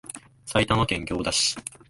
埼玉県行田市